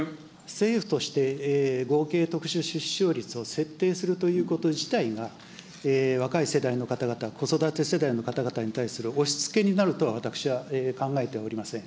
政府として合計特殊出生率を設定するということ自体が、若い世代の方々、子育て世代の方々に対する押しつけになるとは私は考えておりません。